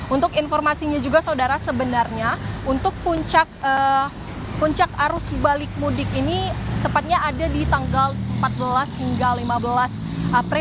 untuk informasinya juga saudara sebenarnya untuk puncak arus balik mudik ini tepatnya ada di tanggal empat belas hingga lima belas april